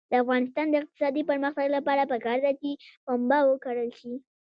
د افغانستان د اقتصادي پرمختګ لپاره پکار ده چې پنبه وکرل شي.